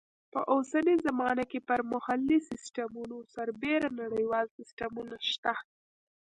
په اوسنۍ زمانه کې پر محلي سیسټمونو سربیره نړیوال سیسټمونه شته.